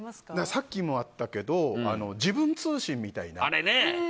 さっきもあったけど自分通信みたいな。